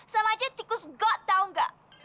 sama aja tikus gue tau gak